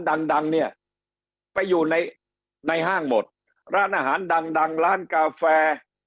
ดังดังเนี่ยไปอยู่ในห้างหมดร้านอาหารดังดังร้านกาแฟ